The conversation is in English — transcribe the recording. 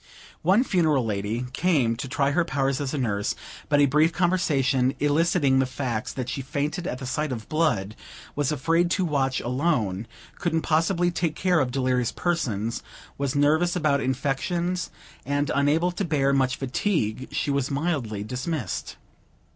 One funereal lady came to try her powers as a nurse; but, a brief conversation eliciting the facts that she fainted at the sight of blood, was afraid to watch alone, couldn't possibly take care of delirious persons, was nervous about infections, and unable to bear much fatigue, she was mildly dismissed.